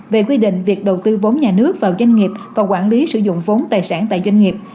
về quy định việc đầu tư vốn nhà nước vào doanh nghiệp và quản lý sử dụng vốn tài sản tại doanh nghiệp